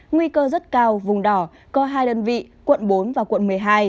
nguy cơ rất cao vùng đỏ có hai đơn vị quận bốn và quận một mươi hai